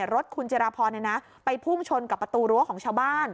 รถคุณจิราพรไปพุ่งชนกับประตูรั้วของชาวบ้าน